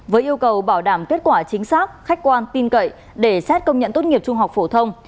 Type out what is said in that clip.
với yêu cầu bảo đảm kết quả chính xác khách quan tin cậy để xét công nhận tốt nghiệp trung học phổ thông